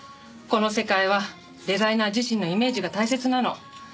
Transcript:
この世界はデザイナー自身のイメージが大切なの。